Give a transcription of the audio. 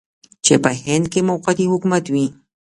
چې په هند کې موقتي حکومت و.